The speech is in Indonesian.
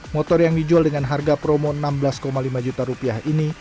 motor yang dijual dengan harga promo rp enam belas lima juta rupiah ini